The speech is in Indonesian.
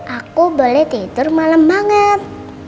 aku boleh tidur malam banget